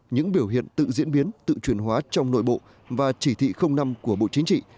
những biểu hiện tự diễn biến tự truyền hóa trong nội bộ và chỉ thị năm của bộ chính trị